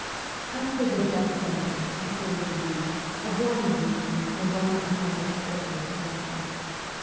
As to the death sentence of the Holy League, a warning reached me from one of the highest quarters of Russia.